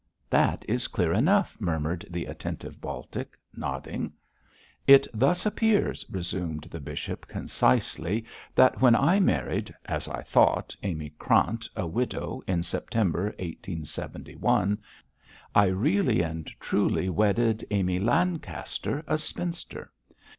'That is clear enough,' murmured the attentive Baltic, nodding. 'It thus appears,' resumed the bishop, concisely, 'that when I married as I thought Amy Krant, a widow, in September 1871, I really and truly wedded Amy Lancaster, a spinster.